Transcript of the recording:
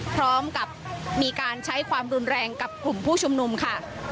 พร้อมกับมีการใช้ความรุนแรงกับกลุ่มผู้ชุมนุมค่ะ